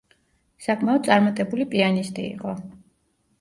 საკმაოდ წარმატებული პიანისტი იყო.